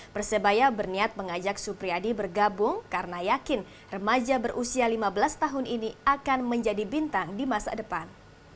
persebaya berniat mengajak supriyadi bergabung karena yakin remaja berusia lima belas tahun ini akan menjadi bintang di masa depan